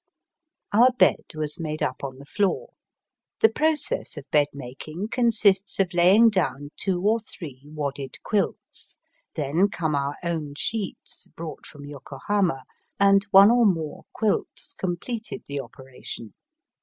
Our bed was made up on the floor. The process of bed making consists of laying down two or three wadded quilts; then come our own sheets, brought from Yokohama, and one or more quilts completed the operation.